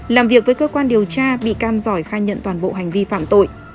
làm việc với cơ quan điều tra bị can giỏi khai nhận toàn bộ hành vi phạm tội